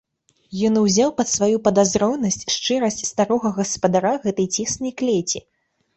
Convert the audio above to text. Ён узяў пад сваю падазронасць шчырасць старога гаспадара гэтай цеснай клеці.